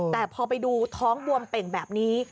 แต่พอไปดูท้องบวมเป่งแบบนี้